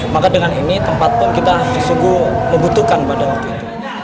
maka dengan ini tempat pun kita sungguh membutuhkan pada waktu itu